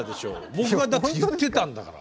僕がだって言ってたんだから。